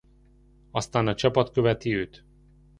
Aztán a csapat követi őt.